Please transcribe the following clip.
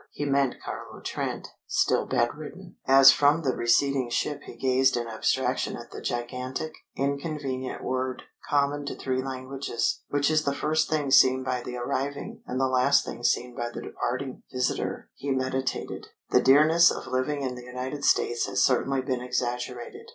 He meant Carlo Trent, still bedridden. As from the receding ship he gazed in abstraction at the gigantic, inconvenient word common to three languages which is the first thing seen by the arriving, and the last thing seen by the departing, visitor, he meditated: "The dearness of living in the United States has certainly been exaggerated."